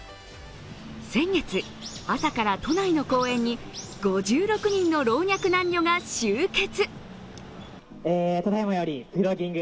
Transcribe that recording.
先月、朝から都内の公園に５６人の老若男女が集結。